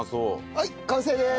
はい完成です！